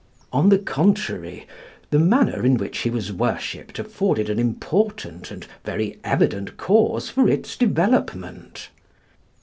On the contrary, the manner in which he was worshipped afforded an important and very evident cause for its development.